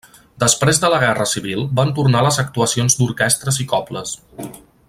Després de la Guerra Civil van tornar les actuacions d’orquestres i cobles.